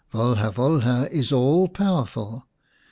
Volha Volha is all powerful.